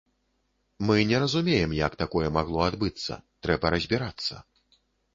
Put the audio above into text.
Мы не разумеем, як такое магло адбыцца, трэба разбірацца.